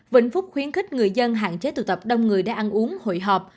vĩnh phúc khuyến khích người dân hạn chế tụ tập đông người đã ăn uống hội họp